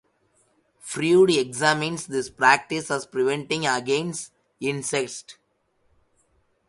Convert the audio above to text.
Freud examines this practice as preventing against incest.